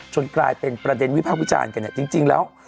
กลายเป็นประเด็นวิภาควิจารณ์กันเนี่ยจริงแล้ว